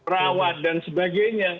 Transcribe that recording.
rawat dan sebagainya